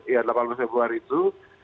ya delapan belas februari itu